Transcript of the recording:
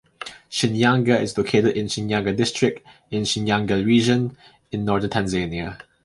Shinyanga is located in Shinyanga District, in Shinyanga Region, in northern Tanzania.